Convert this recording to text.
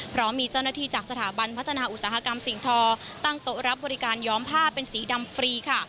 เพราะมีเจ้าหน้าที่จากสถาบันพัฒนาอุตสาหกรรมสิ่งทอตั้งโต๊ะรับบริการย้อมผ้าเป็นสีดำฟรีค่ะ